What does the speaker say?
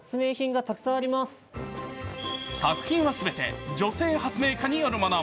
作品はすべて女性発明家によるもの。